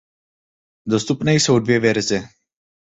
Dostupné jsou dvě verze.